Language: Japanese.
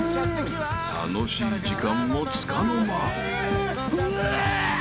［楽しい時間もつかの間］ウェッ！